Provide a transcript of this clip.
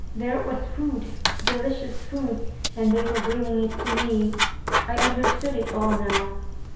There was food; delicious food! And they were bringing it to me! I understood it all now.